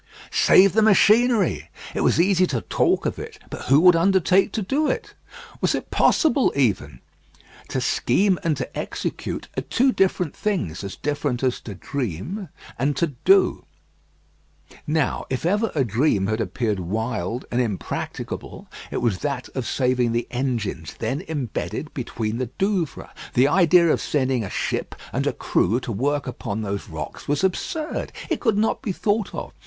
Save the machinery! It was easy to talk of it; but who would undertake to do it? Was it possible, even? To scheme and to execute are two different things; as different as to dream and to do. Now if ever a dream had appeared wild and impracticable, it was that of saving the engines then embedded between the Douvres. The idea of sending a ship and a crew to work upon those rocks was absurd. It could not be thought of.